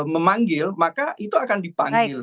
memanggil maka itu akan dipanggil